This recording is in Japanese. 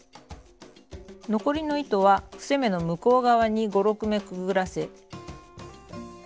残りの糸は伏せ目の向こう側に５６目くぐらせ。